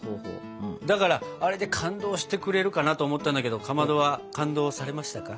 だからあれで感動してくれるかなと思ったんだけどかまどは感動されましたか？